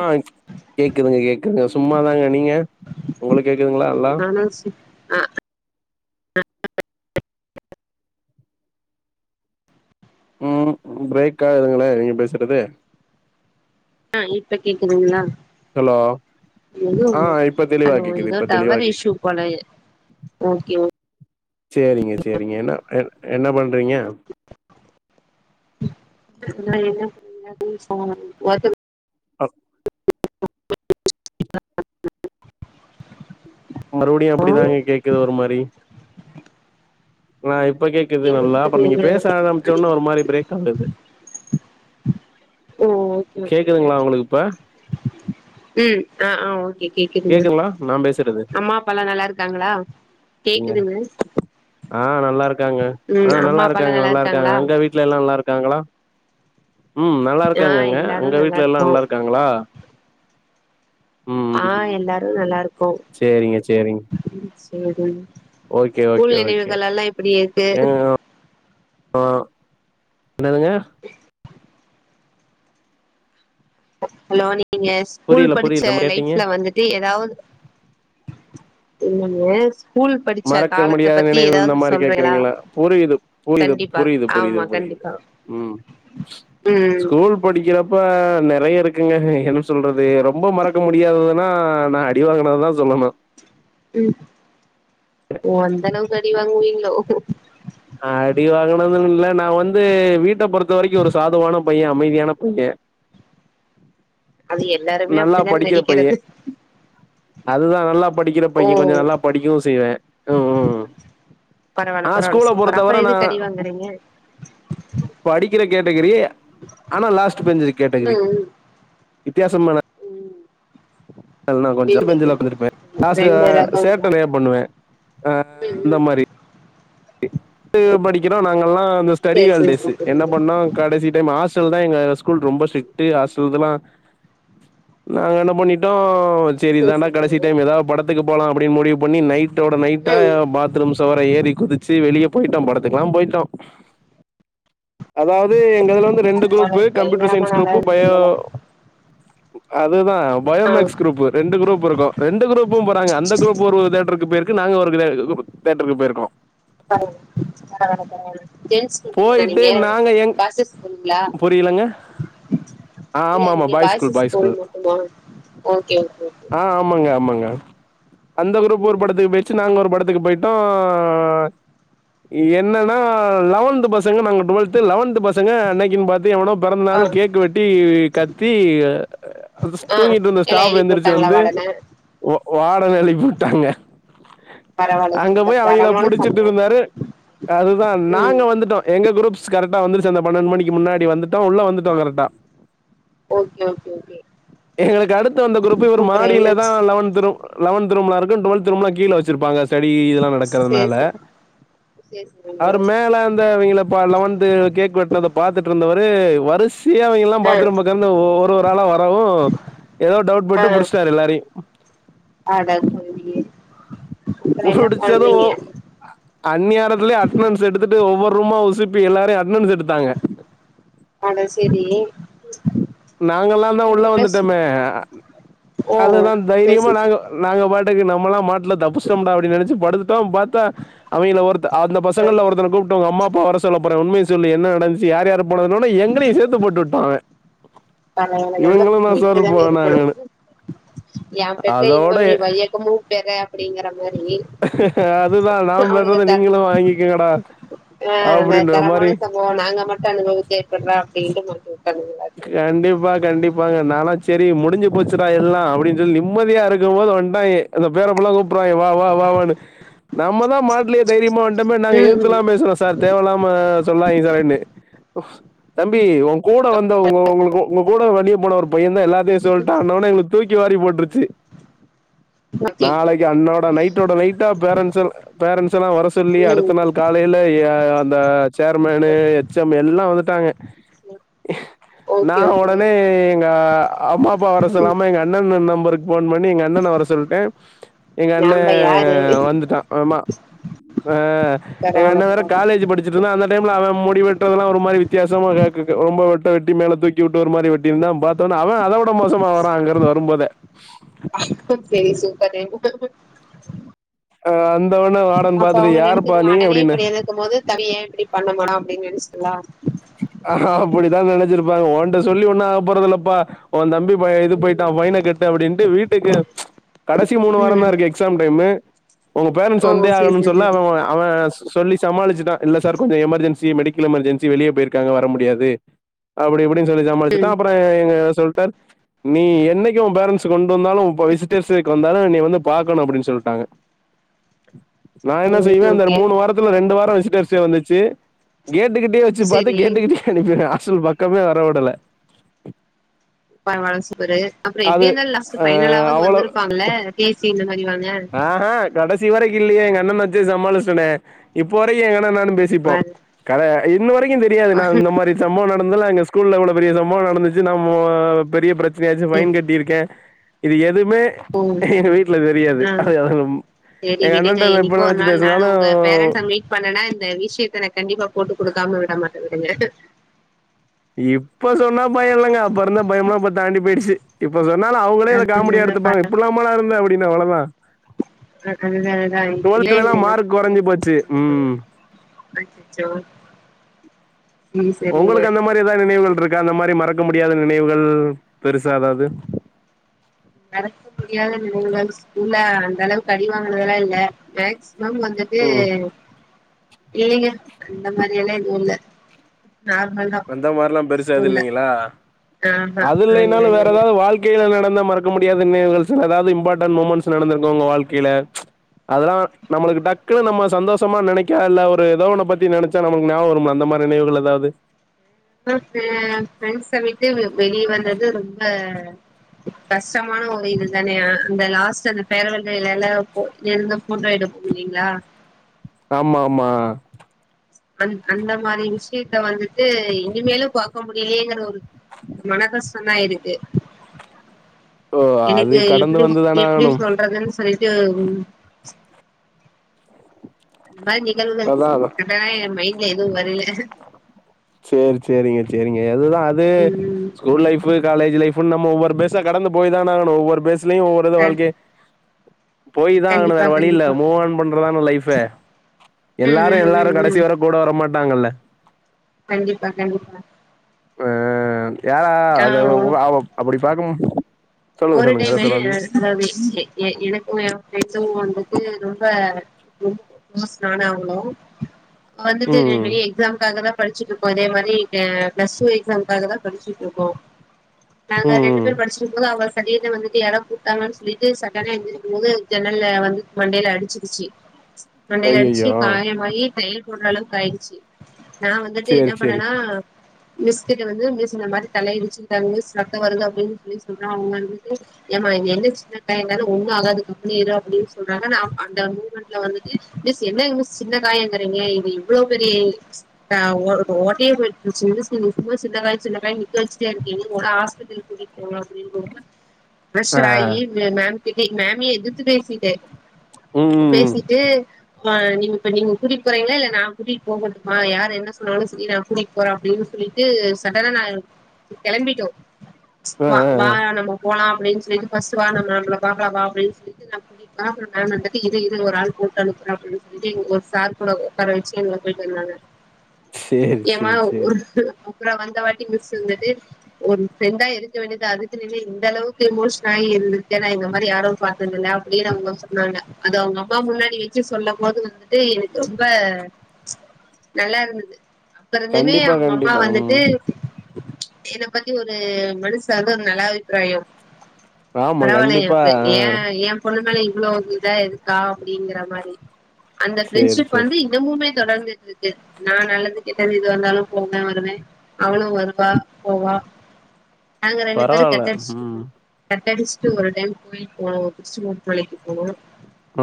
ஆ கேக்குதுங்க கேக்குதுங்க சும்மாாதாங்க நீங்க உங்களுக்கு கேக்குதுங்களா நல்லா ன்னா சீ ம் பிரேக் ஆகுதுங்களே நீங்க பேசுறது ஆ இப்ப கேக்குதுங்களா ஹலோ ஆ இப்ப தெளிவா ஹலோ கேக்குது ஏதோ இப்ப தெளிவா டவர் இஷ்யூ கேக்குது போல ஓகே ஓ செரிங்க செரிங்க என்ன என் என்ன பண்ணுறீங்க என் சொ [unintelligible] அ [unintelligible] மறுபடியும் அப்பிடிதாங்க கேக்கது ஒரு மாரி ஆ இப்ப கேக்குது என்னன்னு நல்லா அப்புற நீங்க தெரியலங்க பேச ஆரம்பிச்சோன்ன ஒரு மாரி பிரேக் ஓ ஓகே ஓகேங்க கேக்குதுங்களா உங்களுக்கு இப்ப ம் ஆ ஆ ஓகே கேக்குதுங்களா நா பேசுறது அம்மா அப்பால்லாம் நல்லா இருக்காங்களா கேக்குதுங்க ஆ நல்லா இருக்காங்க ம் ஆ அம்மா நல்லா அப்பாலா இருக்காங்க நல்லா இருக்காங்க இருக்காங்களா நல்லா இருக்காங்க அங்க வீட் ம் நல்லா ஆ இருக்காங்க அங்க எல்லாரு அங்க வீட்ல எல்லாம் இருக்கோ நல்லா இருக்காங்க ங்களா ஆ எல்லாரும் நல்லா இருக்கோ செரிங்க செரிங்க ஓகே ஸ்கூல் ஓகே நினைவுகள் எல்லாம் எப்பிடி இருக்கு ஆ என்னதுங்க ஹலோ நீங்க ஸ்கூல் புரியல புரியல படிச்ச நம்ம கேட்டீங்க லைஃப்ல வந்துட்டு ஏதாவது இல்லிங்க மறக்க முடியாத நினைவு இந்த மாரி சொல்றீங்களா கேக்கறீங்ளா புரியுது புரியுது கண்டிப்பா புரியுது புரியுது ஆமா கண்டிப்பா புரியுதுதா ம் ம் ஸ்கூல் படிக்கிறப்ப நறைய இருக்குங்க என்னு சொல்றது ரொம்போ மறக்க முடியாததுனா நா அடி வாங்ன தா சொல்லணு ம் ஓ அந்த அளவுக்கு அடி வாங்குவீங்ளோ அடிவாகனதுமில்ல நா வந்து வீட்ட பொறுத்த வரைக்கு ஒரு சாதவான பைய அமைதியான பைய அது எல்லாருமே நல்லா அப்டிதா படிக்கிற பைய நடிக்கிறது அதுதா நல்லா படிக்கிற ஓ பைய கொஞ்ச நல்லா படிக்கவு செய்வ ம் உம் பரவாயில்ல பரவாயில் சூப்பரா அப்ரோ பொறுத்தவர நா எதுக்கு அடி வாங்குறீங்க படிக்கிற கேட்டகிரி ஆனா லாஸ்ட் பெஞ்ச கேட்டகிரி ம் வித்தியாசமான ம் ம் நல்லா கொஞ்சோ லாஸ்ட் ரெண்டு பெஞ்சில உக்காந்திருப்பே லாஸ்ட் அ ரெண்டு அ சேட்ட ரகங்களா நறைய பண்ணுவ ஆ ம் அந்த ம் மாரி [inaudible] படிக்கிறோ நாங்கல்லா அந்த ஸ்டடி சேரி சேரி ஹாலிடேஸ் என்னப் சேரி பண்ணோ கடைசி டைம் ஹாஸ்டல் தா எங்க ஸ்கூல் ரொம்ப ஸ்ட்ரீட் ஹாஸ்டல்தலா நாங்க என்ன பண்ணிட்டோ சேரி இதாண்டா கடைசி டைம் ஏதாவது படத் துக்கு போலா அப்டின்னு முடிவு பண்ணி நைடோட நைடா ம் பாத்ரூம் சவர ஏறி குதி ச்சி வெளிய போயிட்டோ படத்துக்கெல்லா போயிட்டோ அதாவது எங்கள்ள வந்து ரெண்டு குரூப்பு பரவால்ல கம்ப்யூட்டர் பயங்கரமான சயின்ஸ் ஆளா குரூப்பு பயோ இருக்கீங்களே அதுதா ஆ பயோமேக்ஸ் குரூப் ரெண்டு குரூப் இருக்கு ரெண்டு குரூப்பு போறாங்க அந்த குரூப் ஒரு தேட்டருக்கு போயிருக்கு நாங்க ஒரு தேட்டருக்கு போயிருக்கோ பரவால பரவால பரவால ஜென்ஸ் ஸ்டூடண்டா போயிட்டு நீங்க நாங்க எங் பாய்ஸஸ் ஸ்கூலுங்ளா புரியலங்க ஆ இல்ல ஆமா ஆமா நீங்க பாய் பாய்ஸஸ் பாய் ஸ்கூல் மட்டுமா ஓகே ஓகே ஆ ஆமாங்க ஆமாங்க அந்த குரூப் ஒரு ம் படத்துக்கு பேய்ச்சி நாங்க ஒரு படத்துக்கு போய்டோ என்னன்னா லெவன்த் பசங்க நாங்க டுவெல்த் லெவன்த் பசங்க அன்னைக்கு பாத்து எவனோப் ஆ பிறந்தநாள்னு கேக்கு வெட்டி கத்தி அ அ அ ஆ தூங்கிட்டு இருந்த எல்லா ஸ்டாப் எழுதி எழுந்துருச்சி போட்டாங்களா வந்து வாடன ஓ வாடன எழுப்பி உட்டாங்க பரவால்ல அங்க சூப்பர் போய் அவ்ங்கிள தரமான புடிச் சிட்டு சம்பவோ இருந்தாரு அதுதா ம் நாங்க வந்துட்டோ எங்க குரூப்ஸ் கரெக்டா வந்துருச்சி அந்த பன்னெண்டு மணிக்கு முன்னாடி வந்துட்டோ உள்ள வந்துட்டோ கரெக்டா ஓகே ஓகே எங்களுக்கு அடுத்து வந்த குரூப் இவர் அப்றோ மாடில தா என்னாச்சு லவத் ரூம்பு லெவன்த் ரூம்லா இருக்கு டுவெத் ரூம்லா கீழ வச்சிருப்பாங்க ஸ்டடி இதெல்லா சேரி நடக்கறதுனால சேரி சேரி அவர் சேரிங்க மேல அந்த அவுங்கள லெவத் கேக் வெட்டனத பாத்துட்டு இருந்தவரு வரிசையா அவை எல்லா ஆ பாத்ரூம்ப தேரந்நு ஓ ஒரு ஒரு ஆளா வரவு ஏதோ டவுட் போட்டு புடிச்சாரு எல்லாரையு அடக் [inaudible] புடிச்சது ஆ அன்னிநேரத்திலே அட்டனன்ஸ் எடுத்துட்டு ஒவ்வொரு ரூமா உசிப்பி எல்லாரையு அட்டனன்ஸ் எடுத்தாங்க அட சேரி நாங்க எல்லா தா உள்ள நீங்க பிளஸ் வந்துட்டமே ஓ அதுதா சேரி தைரியமா சேரி நாங்க சேரி நாங்க பாட்டுக்கு நம்மல்லா மாட்டல தப்புச்சோடா அப்டின்னு நனச்சி படுத் டோ பாத்தா அவிகள்ள ஒருத்த அந்த ஆ பசங்கள்ல ஒருத்த கூப்டு உங்க அம்மா அப்பா வர சொல்லரோ உண்மைஸ் சொல்லு என்ன நடந்துச்சி யார் யார் போனதுனோன எங்களையு சேத்து போட்டு உட்டா அவ தானநல்ல எங்கத் இப்டி தான இருக்குணு போனாங்கன்னு. யா பெற்ற அதோட இன்பம் நீ வையகமூ பெற அப்படிங்கற மாரி அதுதா நா அவனுங்க பண்றத தர் நீங்களு வாங்கிக்கோங்கடா ஆ தரமான சம்பவம் நாங்க மட்டு அனுபவிச்சா எப்பர்ரா அப்படின்ட்டு மாட்டி உட்டர்னு கண்டிப்பா கண்டிப்பாங்க நாலா செரி முடிஞ்சு போச்சுடா எல்லா அப்படின் சொல் நிம்மதியா இருக்கும்போது வந்டாய்க அந்த பேரபுல்லா கூப்ட்ருவாய்ங்க வா வா வா வான்னு நம்ம தா மாட்லயே தைரியமா வந்டமே நாங்க ம் ம் எதித்லா பேசுறோ சார் தேவலாம சொல்வாய்ங்க சார்ன்னு தம்பி உ கூட வந் உ உங்களுக்கு உங்க கூட வண்டிக் போன ஒரு பைய தா எல்லாத்தையு சொல்ட்டான்னோன்னே எங்களுக்கு தூக்கி வாரி போட்டுருச்சு ஓகே நாளைக்கு அன்னோட நைட்டோட நைட்டா பேரன்ஸ்சு பேரன்ஸ்சு எல்லா வர சொல்லி ம் அடுத்த நாள் காலையில எ அ அந்த சேர்மேனு எச் எம் மு எல்லா வந்துட்டாங்க செ நா உடனே எங்க அம்மா அப்பா வர சொல்லாம எங்க அண்ணன் நம்பருக்கு போன் பண்ணி எங்க அண்ணன வர சொல்ட்டே எங்க அண்ணே நம்ப யாரு வந்துட்டா ஆமா ஆ எங்க பரவால அண்ண வேர பரவால காலேஜ் படிச் சுட்ருந்தா அந்த டைம்ல அவ முடி வெற்றெதெல்லா ஒரு மாரி வித்தியாசமா க க ரொம்ப டா வெட்டி மேல தூக்கி உட்டு ஒரு மாரி வெட்டியிருந்தா பா தொனே அவ அத உட மோசமா வரா அங்க இருந்து வரும்போதே சேரி சூப்பரு அ வந்தவொன்னே வார்டன் அப்ப பாத்துட்டு அவங்க யாருப்பா நெனச்சுக்காங் நீ அண்ணன்னே அப்டின்னு. இப்படி இரு க்கும் போது தவியே ஏ இப்படி பண்ண மாட அப்படின் நெனச்டுங்லா அ அப்படித்தா நெனச்சிருப்பாங்க ஒன்ட்ட சொல்லி ஒண்ணா ஆக போறதலப்பா ஓ தம்பி இது போயிட்டா பைன கட்டு அப்படின்ட்டு வீட்டுக்கு கடைசி மூனு வாரந்தா ம் இருக்கு எக்ஸாம் டைமு உங்க பேரன்ட்ஸ் ஓ வந்தே செரி ஆகனுன் செரி சொல்ல அவ செரி அவ சொல்லி சமாளிச்சுட்டா இல்ல சார் கொஞ்ச எமர்ஜென் சி மெடிக்கல் எமர்ஜென்சி வெளியே போயிருக்காங்க வர முடியாது அப்படி இப்படின் சொல்லி சமாளிச்சுட்டா அப்புற எங்க சொல்ட்டார் நீ என்னைக்கு உ பேரன்ட்ஸ் கொண்டு வந்தாலு இப்ப விசிட்டர்ஸ் டேக்கு வந்தாலு நீ வந்து பாக்கணு அப்படின் சொல்லிட்டாங்க நா என்ன ஓகே செய்வே இந்த ஓகே மூனு வாரத்துல ரெண்டு வாரோ விசிட்டர்ஸ் டே வந்துச்சு கேட்டு கிட்டயே வச்சு பாத் செரி அனுப்பிற்வே ஆஸ்டல் பக்கமே வர உடல பரவால்ல சூப்பரு அப்பற எப்படி அது இருந்தாலு லாஸ்ட் ஆ பைனலாவது அவ்ளோ வந்திருப்பாங்கள பேசி இந்த மாரி வாங்க ஆஹ கடைசி வரைக்கு இல்லையே எங்க அண்ணண்ண வெச்சே சமாளிச்சுட்டேனே இப்போ வரைக்கு எங்க அண்ணணு நானு பே சிப்போ வாங்க கத இன்னு வரைக்கு தெரியாது நா இந்த மாரி சம்பவம் நடந்ததலா எங்க ஸ்கூல்ல இவ்ளவு பெரிய சம்பவம் நடந்துச்சு நம்மோ பெரிய பிரச் யாச்சு பைன் கட்டியிருக்கே இது எதுவுமே எங்க வீட்டுல தெரியாது ஆ அது அதுலும் சேரி எங்க விடுங்க அண்ணண்ட எப்ப என்னைக்கோ ஒரு நெனைச்சு நாள் நான் பேசினாலு உங்க பேரண்ட்ஸ மீட் பண்ணனா இந்த விஷயத்த நா கண்டிப்பா போட்டு குடுக்காம விட மாட்டே விடுங்க இப்ப சொன்னா பய இல்லங்க அப்ப இருந்த பயம்ல்லா இப்ப தாண்டி போயிடுச்சு இப்ப சொன்னால அவங்களே அத காமெடி அதுதான எடுத்துப்பாங்க இப்படிலாமல்லா இருந்தே அப்படின்னா அவ்வளவுதா அதுதா அதுதா இதுலயே டுவெல்துல எல்லா மார்க் கொறஞ்சு போச்சு ம் அ ச்சோ உங்களுக்கு அந்த மாரி எதா நினைவுகள் இருக்கா அந்த மாரி மறக்க முடியாத நினைவுகள் பெருசா எதாவது மறக்க முடியாத நினைவுகள் ஸ்கூல்ல அந்த அளவுக்கு அடிவாங்கனதெல்லா இல்ல மேக்சிமம் வந்து து ம் இல்லிங்க அந்த மாதிரி எல்லா எதுவு இல்ல நார்மல் தா அந்த மார்லா பெருசா எது ஸ்கூல்ல இல்லைங்களா ஆஹா அது இல்ல இல்லைனாலு இல்ல வேற இல்ல எதாவது வாழ் கையில நடந்த மறக்க முடியாத நினைவுகள் சில ஏதாவது இம்பாட்டன் மூமெண்ட்ஸ் நடந்துருக்கு உங்க வாழ்க்கைல அதெல்லா நம்முளுக்கு டக்குன்னு நம்ம சந்தோஷமா நெனைக்கா இல்ல ஒரு ஏதோ ஒன்ன பத்தி நெனச் சா நமக்கு ஞாபக வரும்ல அந்த மாரி நினைவுகள் ஏதாவது [unintelligible] ஃப்ரெண்ட்ஸ்ஸ விட்டு வ வெளிய வந்தது ரொம்ப கஷ்டமான ஒரு இது தானே அ அந்த லாஸ்ட் அந்த பேரவல் டேல எல்லா போ இங்க இருந்தா ஃபோட்டோ எடுப்போ இல்லீங்ளா ஆமா ஆமா அந் அந்த மாரி விஷ்யத்த வந்துட்டு இனிமேலு பாக் பாக்க முடியலயேங்கிற ஒரு மன கஷ்டந்தா இருக்கு ஓ எனக்கு அது கடந்து எப்டி வந்துதான எப்டி ஆகணும் சொல்றதுன் சொல்லிட்டு ம் அந்த மாரி நிகழ்வுகள் அதா எ மைண்ட்ல எதுவு வரல சேர் சேரிங்க சேரிங்க அதுதா அது ம் ஸ்கூல் லைஃப்பு காலேஜ் லைஃப்பு நம்ம ஒவ்வொரு பேஸா கடந்து போய்தான ஆகனு ஒவ்வொரு பேஸ்லேயு ஒவ்வொரு இது க வாழ்க்கே போய் தா ஆகனு கண்டிப்பா வேற வழி இல்ல கண்டிப்பா மூவ் ஆன் பண்றத்தான லைஃபே ம் எல்லாரு ம் எல்லாரு ம் கடசி ம் வர கூட வர மாட்டாங்கல்ல கண்டிப்பா கண்டிப்பா ஆ யாரா ஆ அத அப்டி பாக்கும் சொல்லுங்க ஒரு சொல்லுங்க ஏதோ டைமே சொல்ல வந்தீங்க நா எ எனக்கு எ ஃப்ரெண்ட்சு வந்துட்டு ரொம்ப ரொம்ப க்ளோஸ் நானு அவளு வந்துட்டு வெ ம் வெளிய எக்ஸாம்காக தா படிச்சுட்ருக்கோ அதே மாரி இங்க பிளஸ் டூ எக்ஸாம்காக தா படிச்சிட்ருக்கோ நாங்க ரெண்டு ம் பேரு படிச்சிட்ருக்கு போது அவ சடீர்னு வந்துட்டு யாரோ கூப்ட்டாங்கன் சொல்லிட்டு சடனா எந்திருக்கு போது ஜன்னல்ல வந்து மண்டையில அடிச்சிருச்சி மண்டையில அடிச்சி ஐய்யய்யோ காயமாகி தையல் போடுற அளவுக்கு ஆயிடுச்சி நா வந்துட்டு சேரி என்ன சேரி பண்ணனா மிஸ்‌ கிட்ட வந்து மிஸ் இந்த மாரி தலை இடிச்சிக்கிட்டாங்க மிஸ் ரத்த வருது அப்டின் சொல்லி சொல்றா அவுங்க [unintelligible] ஏமா இங்க என்ன சின்னக்காய தான ஒண்ணு ஆகாது கம்னு இரு அப்டின் சொல்றாங்க நா அந்த மூ ட்ல வந்துட்டு மிஸ் என்னங் மிஸ் சின்ன காயங்கிறிங்க இது எவ்ளோ பெரிய நா ஒ ஒட்டையே போய் சின்ன சின் சும்ம சின்ன காய சின்ன காய நிக்க வச்சிட்டே இருக்கீங்க ஒட ஆஸ் பத்திரி கூட்டிட்டு போனும்மா அப்டின் ஆ பிரஷர் ஆயி மே மேம் கிட்டே மேம்யே எதிர்த்து பேசிட்ட. ம் ம் பேசிட்டு அ நீங்க இப்ப நீங்க கூட்டிட் போறீங்ளா இல்ல நா கூட்டிட் போகட்டுமா யார் என்ன சொன்னாலு சேரி நா கூட்டிட் போறோ அப்டின் சொல்லிட்டு சடனா நா கெளம்பிட்டோ ஆ வா ஆ வா ஆ நம்ம போலா அப்டின் சொல்லிட்டு ஃபஸ்ட் வா நம்ம பாக்கலா வா அப்டின் சொல்லிட்டு நா சாப்புற டைம் வந்துட்டு இரு இரு ஒரு ஆள் கூட்டு அனுப்புற அப்டின் சொல்லிட்டு ஒரு சார் கூட ஒக்கார வச்சி இவுங்க போயிட் வந்தாங்க [unintelligible] ஏம்மா சேரி சேரி ஒரு அப்புற வந்த வாட்டி மிஸ் வந்துட்டு ஒரு ஃபிரண்டா இருக்க வேண்டியதா அதுக்குனு நீ அந்த அளவுக்கு இமோஷன் ஆயி இருந்துருகேன்னா இந்த மாரி யாரு பாத்ததில்ல அப்டினு அவுங்க சொன்னாங்க அது அவுங்க அம்மா முன்னாடி வெ ஃபஸ்ட்டு சொல்லு போது வந்துட்டு எனக்கு ரொம்ப [unintelligible] நல்லா இருந்தது அப்ப இருந்துமே கண்டிப்பா அவுங்க அம்மா கண்டிப்பா வந்துட்டு ம் என்ன பத்தி ஒரு மனுசார்வா ஒரு நல்ல அபிப்ராயம் ஆமா பரவால்ல கண்டிப்பா எனக்கு ஆ ஏ ஏ பொண்ணு மேல இவ்ளோ இதுதா இருக்கா அப்டிங்கற மாரி அந்த சேரி ஃப்ரெண்ட்ஷிப் சேரி வந்து இன்னமுமே தொடர்ந்துட்டு இருக்கு நா நல்லது, கெட்டது எதுவா இருந்தாலு போவே வருவே அவளு வருவா போவா [unintelligible] நாங்க ரெண்டு பேரு பரவால்ல கட்டடிச்சுருக்கோ ம் கட்டடிச்சுட்டு ஒரு டைம் கோயுலுக்கு போனோ ஒரு [unintelligible] மலைக்கு போனோ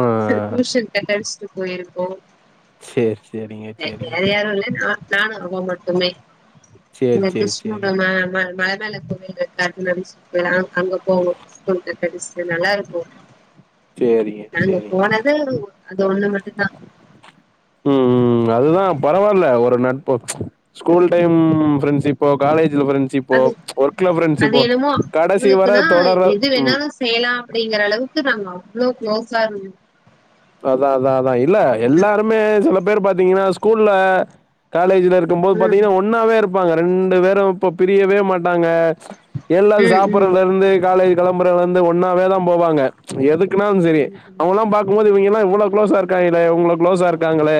ஆ ஆ டியூஷன் கட்டடிச்சுட்டு போயிருக்கோ சேரி சேரிங்க சேரிங்க வேற யாரு இல்ல நா நானு அவ மட்டுமே சேரி இந்த சேரி கிஷ்ணடோ சேரி மே மல மேலக் யிலு [unintelligible] அங்க போவோ ஸ்கூல் கட்டடிச்சிட்டு நல்லாருக்கு சேரிங்க நாங்க சேரிங்க போனது அந்த ஒண்ணு மட்டு தா ம் ம் ம் அதுதா பரவால்ல ஒரு நட்பு ஸ்கூல் டைம் ஃபிரண்ட்ஸ்ப்போ காலேஜ்ல ஃபிரண் ஸ் இப்போ அது ஒர்க்ல அது ஃபிரண்ட்ஸிப்போ என்னமோ கடைசி வர அவளுக்குன்னா தொடர்ற எது ம் வேணாலு செய்யலா அப்டிங்கிற அளவுக்கு நாங்க அவ்ளோ குளோஸ்ஸா இருந் அதா அதா அதா இல்ல எல்லாருமே சில பேர் பாத்தீங்ன்னா ஸ்கூல்ல காலேஜ்ல இரு க்கும்போது ம் பாத்தீங்னா ஒன்னாவே இருப்பாங்க ரெண்டு பேரு இப்ப பிரியவே மாட்டாங்க எல்லா ம் ம் சாப்பர்றதுல இருந்து காலேஜ் கெளம்புறதுல இந்து ஒன்னாவேதா போவாங்க எதுக்குன்னாலு செரி ம் அவங்கல்லா பாக் கும்போது இவிங்கல்லா இவ்ளோ குளோாஸ்ஸா இருக்காய்ங்ளே இவங்க குளோஸ்ஸா இருக்காங்களே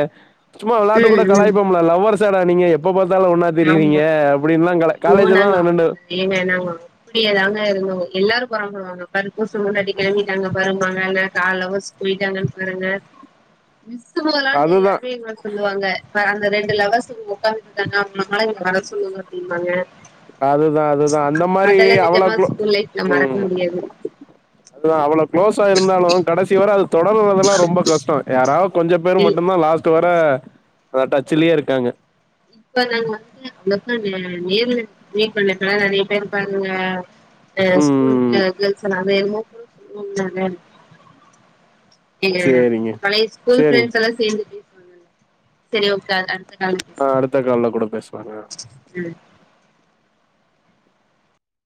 சும்மா வெளையாட்டு கூட ம் ம் கலாய்ப் ம்ல லவ்வர்ஸ்ஸாடா நீங்க எப்ப பாத்தாலு ஒன்னா ஆமா திரியிரீங்க அப்டின்லா கல ஐயோ காலேஜ் எல்லா நாங்க எனன்டு ஏங்க நாங்க அப்டியேதாங்க இருந்தோ எல்லாரு பொறாம்படுவாங்க பாரு புருசு பொண்டாட்டி கெளம்பிட்டாங்க பாருங்மா நாங்க கா லவ்வர்ஸ் போயிட்டாங்கன் பாருங்க மிஸ்சு மொதல்லந்து அதுதா எல்லாருமே எங்கள சொல்லுவாங்க ப அந்த ரெண்டு லவ்ர்ஸ் ஒக்க்காந்துட்ருக்காங்க அவுங்கள மொதல்ல வர சொல்லுங்க அப்டிம்பாங்க அதுதா அதுதா அந்த மாரி அதெல்லா அவ்ளோ நெஜமா குளோ ஸ்கூல் லைஃப்ல மறக்க ம் முடியாது அதுதா அவ்ளோ குளோஸ்ஸா இருந்தாலு கடைசி வர அது தொடர்றதுல்லா ரொம்ப கஷ்டோ யாராவ் கொஞ்சப் பேரு மட்டுந்தா லாஸ்ட் வர அந்த டச்சுலேயே இருக்காங்க இப்ப நாங்க வந்து அவ்ளாக்கா நேர்ல மீட் பண் [unintelligible] நெறைய பேர் இருப்பாங்கங்க அ ஸ்கூல் ம் கேர்ள்ஸ்ல்லாமே என்னமோ கூட சொல்லுவாங்ளே அத எங்க சேரிங்க பழைய ஸ்கூல் சேரிங்க ஃப்ரண்ட்ஸ் எல்லா சேந்து பேசுவாங்கல்ல சரி ஓக்கார் அடுத்த கால்ல ஆ பேசலா அடுத்த கால்ல கூட பேசுலாங்க ம்